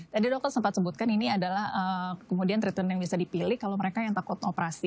tadi dokter sempat sebutkan ini adalah kemudian triton yang bisa dipilih kalau mereka yang takut operasi